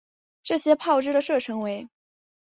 这些炮支的射程为。